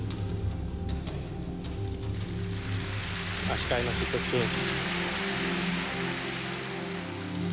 足換えのシットスピン。